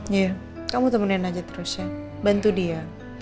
nyir kamu temenin aja terus ya bantu dia